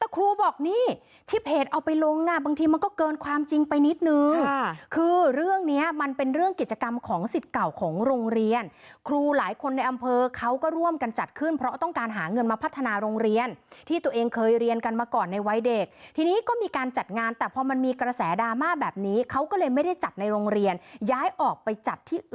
ครูบอกนี่ที่เพจเอาไปลงอ่ะบางทีมันก็เกินความจริงไปนิดนึงคือเรื่องเนี้ยมันเป็นเรื่องกิจกรรมของสิทธิ์เก่าของโรงเรียนครูหลายคนในอำเภอเขาก็ร่วมกันจัดขึ้นเพราะต้องการหาเงินมาพัฒนาโรงเรียนที่ตัวเองเคยเรียนกันมาก่อนในวัยเด็กทีนี้ก็มีการจัดงานแต่พอมันมีกระแสดราม่าแบบนี้เขาก็เลยไม่ได้จัดในโรงเรียนย้ายออกไปจัดที่